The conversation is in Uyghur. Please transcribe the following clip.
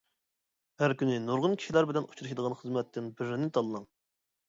ھەر كۈنى نۇرغۇن كىشىلەر بىلەن ئۇچرىشىدىغان خىزمەتتىن بىرىنى تاللاڭ.